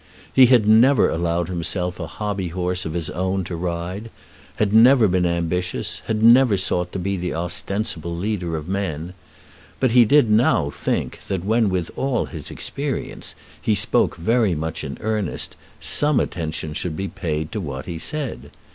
He had never allowed himself a hobby horse of his own to ride, had never been ambitious, had never sought to be the ostensible leader of men. But he did now think that when, with all his experience, he spoke very much in earnest, some attention should be paid to what he said.